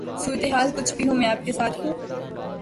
صورتحال کچھ بھی ہو میں آپ کے ساتھ ہوں